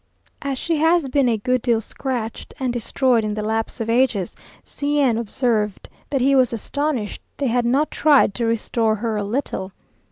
As she has been a good deal scratched and destroyed in the lapse of ages, C n observed that he was astonished they had not tried to restore her a little.